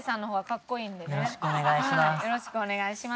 よろしくお願いします。